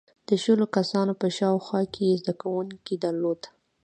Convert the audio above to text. • د شلو کسانو په شاوخوا کې یې زدهکوونکي درلودل.